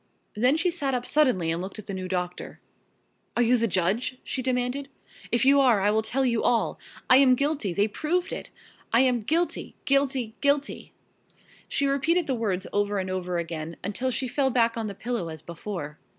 Then she sat up suddenly and looked at the new doctor. "Are you the judge?" she demanded. "If you are I will tell you all. I am guilty they proved it! I am guilty! guilty! guilty!" she repeated the words over and over again, until she fell back on the pillow as before.